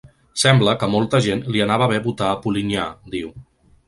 Sembla que a molta gent li anava bé votar a Polinyà, diu.